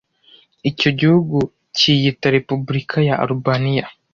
Icyo igihugu cyiyita Republika ya Alubaniya